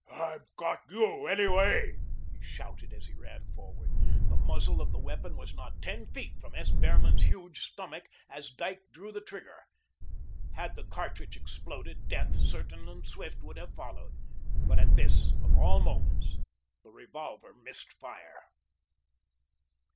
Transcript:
"I've got YOU, anyway," he shouted, as he ran forward. The muzzle of the weapon was not ten feet from S. Behrman's huge stomach as Dyke drew the trigger. Had the cartridge exploded, death, certain and swift, would have followed, but at this, of all moments, the revolver missed fire.